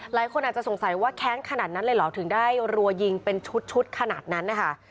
หลายคนอาจจะสงสัยว่าแค้นขนาดนั้นเลยเหรอถึงได้รัวยิงเป็นชุดขนาดนั้นนะคะ